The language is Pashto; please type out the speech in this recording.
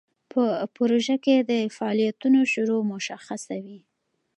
په پروژه کې د فعالیتونو شروع مشخصه وي.